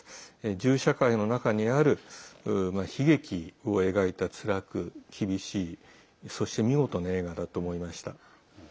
銃社会の中にある悲劇を描いたつらく厳しいそして、見事な映画だと思いました。